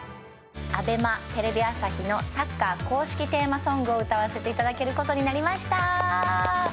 ＡＢＥＭＡ・テレビ朝日のサッカー公式テーマソングを歌わせて頂ける事になりました。